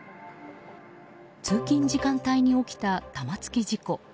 通勤時間帯に起きた玉突き事故。